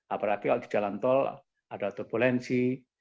apalagi kalau di jalan tol ada turbulensi